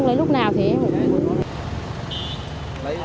lấy lúc nào thì em không biết